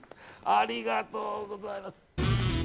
ありがとうございます。